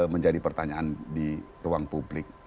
menjadi pertanyaan di ruang publik